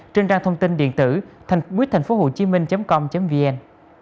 trên trang thông tin điện tử thanhbuyếtthànhphốhcm com vn